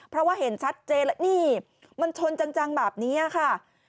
เพราะว่าเห็นชัดเจนแล้วนี่มันชนจังแบบนี้ค่ะ